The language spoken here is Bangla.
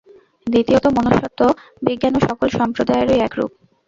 দ্বিতীয়ত মনস্তত্ত্ব-বিজ্ঞানও সকল সম্প্রদায়েরই একরূপ।